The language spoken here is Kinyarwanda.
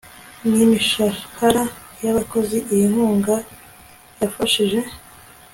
n imishahara y abakozi Iyi nkunga yafashije